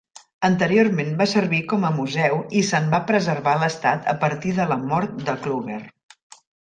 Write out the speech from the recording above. Anteriorment va servir com a museu i se'n va preservar l'estat a partir de la mort de Kluger.